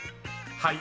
［はい。